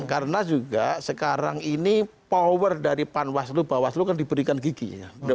karena juga sekarang ini power dari pan waslu bawaslu kan diberikan giginya